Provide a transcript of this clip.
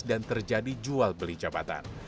dan terjadi jual beli jabatan